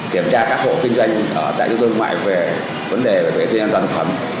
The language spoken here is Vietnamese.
kiểm tra các hộ kinh doanh ở tại trung tâm thương mại về vấn đề về tiền an toàn phẩm